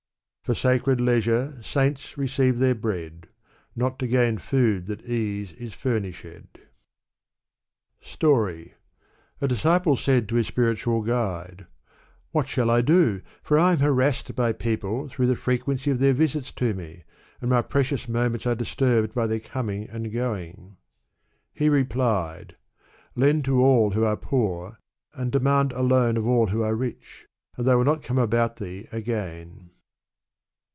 For sacred leisure saints receive their bread. Not to gain food that ease is furnished. Digitized by Google >m 5 1: A disciple said to his spiritual guide, " What shall I do, for I am harassed by people through the frequency of iheir visits to me, and my precious moments arc disturbed by their commg and going," He replied, " Lend to all who are poorj and demand a loan of all who are rich, and they will not come about thee again.''